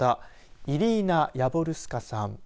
イリーナ・ヤボルスカさん。